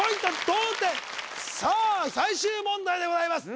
同点さあ最終問題でございます